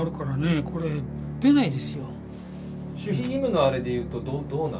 守秘義務のあれで言うとどうなんですか？